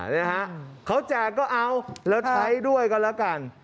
นะฮะเขาแจกก็เอาแล้วใช้ด้วยกันแล้วกัน